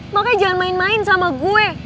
makanya jangan main main sama gue